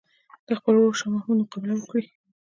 د خپل ورور شاه محمود مقابله وکړي.